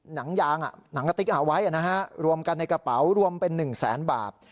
หนังยางหนังกะติ๊กเอาไว้รวมกันในกระเป๋ารวมเป็น๑แสนบาท